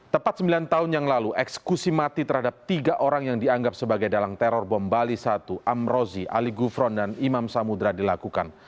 tepat sembilan tahun yang lalu eksekusi mati terhadap tiga orang yang dianggap sebagai dalang teror bom bali satu amrozi ali gufron dan imam samudera dilakukan